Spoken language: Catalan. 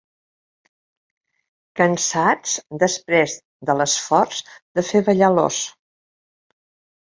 Cansats després de l'esforç de fer ballar l'ós.